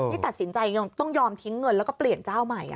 นี่ตัดสินใจต้องยอมทิ้งเงินแล้วก็เปลี่ยนเจ้าใหม่